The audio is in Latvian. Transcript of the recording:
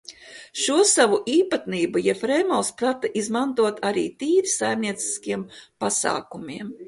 Šo savu īpatnību Jefremovs prata izmantot arī tīri saimnieciskiem pasākumiem.